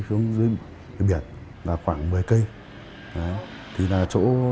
đến biển là khoảng một mươi cây thì là chỗ